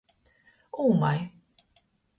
Ūmai.